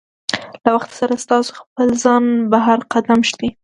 له وخت سره ستاسو خپل ځان بهر قدم ږدي.